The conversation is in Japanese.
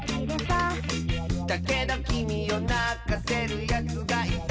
「だけどきみをなかせるやつがいたら」